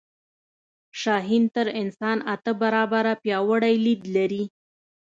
شاهین تر انسان اته برابره پیاوړی لید لري